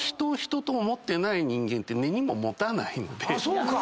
そうか！